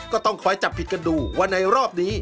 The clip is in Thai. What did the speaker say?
ก็ต้องคอยจับผิดกันดูว่าในรอบนี้